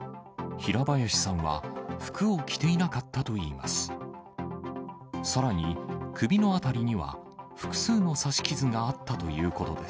平林さんは、服を着ていなかったといいます。